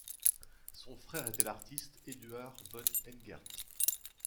Son frère était l'artiste, Eduard von Engerth.